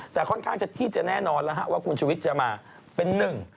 แต่ค่อนข้างที่จะแน่นอนว่าคุณชูวิทจะมาเป็นหนึ่ง